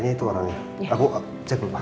ya itu orangnya aku cek dulu pak